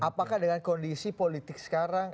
apakah dengan kondisi politik sekarang